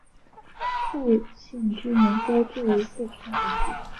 兔姓居民多住于四川等地。